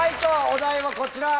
お題はこちら。